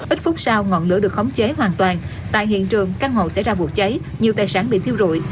ít phút sau ngọn lửa được khống chế hoàn toàn tại hiện trường căn hộ xảy ra vụ cháy nhiều tài sản bị thiêu rụi